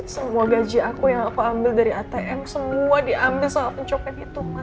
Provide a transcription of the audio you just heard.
semua gaji aku yang aku ambil dari atm semua diambil soal kecopet itu ma